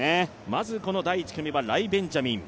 まずこの第１組はライ・ベンジャミン。